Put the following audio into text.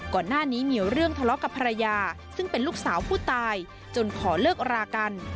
ก่อนหน้านี้มีเรื่องทะเลาะกับภรรยาซึ่งเป็นลูกสาวผู้ตายจนขอเลิกรากัน